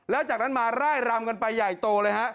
แล้วจากนั้นมาร่ายรำกันไปใหญ่โตเลยฮะ